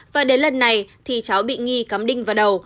và đến lần này thì cháu bị nghi cắm đinh và đầu